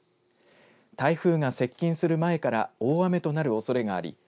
台風が接近する前から大雨となるおそれがあり